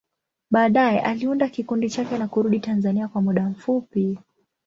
Baadaye, aliunda kikundi chake na kurudi Tanzania kwa muda mfupi.